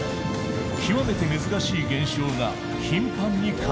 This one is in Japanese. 極めて珍しい現象が頻繁に観測される。